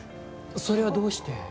それはどうして？